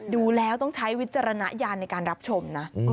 ดูแล้วต้องใช้วิจารณญาณในการรับชมนะ